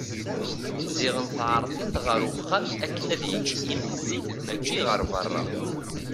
Ziɣen teɛreḍ-it ɣer uxxam akken ad yečč imensi mačči ɣer berra.